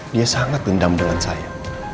dia sangat dendam dengan saya